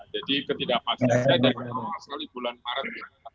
jadi ketidakpastian saya dari awal asal di bulan maret